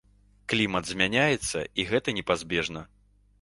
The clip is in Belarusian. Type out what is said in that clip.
Клімат змяняецца і гэта непазбежна.